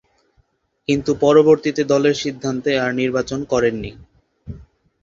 কিন্তু পরবর্তীতে দলের সিদ্ধান্তে আর নির্বাচন করেননি।